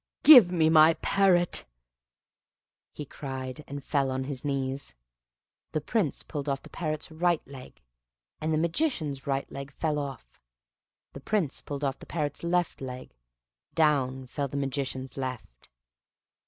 "Give me my parrot!" cried he, and fell on his knees. The Prince pulled off the parrot's right leg, and the Magician's right leg fell off: the Prince pulled off the parrot's left leg, down fell the Magician's left.